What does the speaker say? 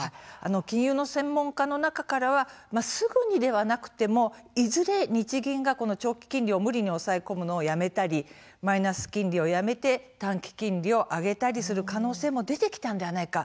金融の専門家の中からはすぐにではなくてもいずれ日銀が長期金利を無理に抑え込むのをやめたりマイナス金利をやめて短期金利を上げたりする可能性も出てきたのではないか